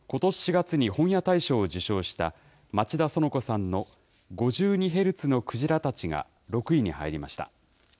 また小説では、ことし４月に本屋大賞を受賞した町田そのこさんの５２ヘルツのクジラたちが６位に入りました。